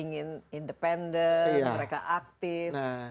menjadi pendekatan mereka aktif